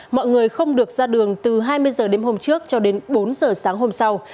mọi người không được ra đường từ hai mươi giờ đến hôm trước cho đến bốn giờ sáng hôm sáng